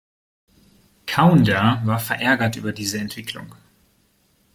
Kaunda war verärgert über diese Entwicklung.